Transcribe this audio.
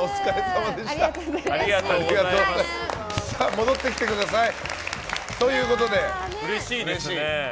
戻ってきてください。ということで、うれしいですね。